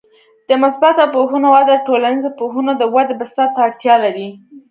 د مثبته پوهنو وده د ټولنیزو پوهنو د ودې بستر ته اړتیا لري.